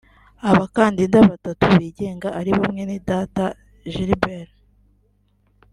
Abakandida batatu bigenga aribo Mwenedata Gilbert